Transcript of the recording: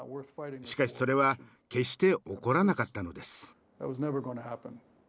しかしそれは決して起こらなかったのです。